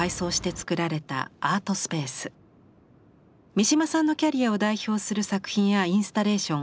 三島さんのキャリアを代表する作品やインスタレーション